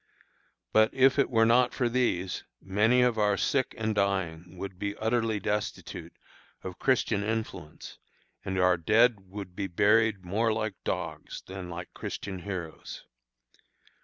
But if it were not for these, many of our sick and dying would be utterly destitute of Christian influence, and our dead would be buried more like dogs than like Christian heroes.